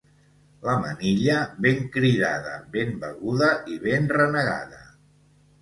La manilla, ben cridada, ben beguda i ben renegada.